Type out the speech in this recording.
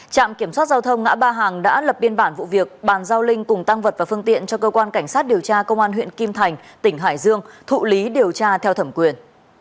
trạm kiểm soát giao thông ngã ba hàng đã lập biên bản vụ việc bàn giao linh cùng tăng vật và phương tiện cho cơ quan cảnh sát điều tra công an huyện kim thành tỉnh hải dương thụ lý điều tra theo thẩm quyền